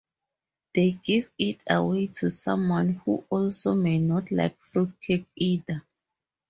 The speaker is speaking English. They give it away to someone who also may not like fruitcake either.